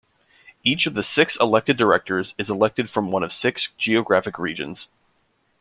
Each of the six elected directors is elected from one of six geographic regions.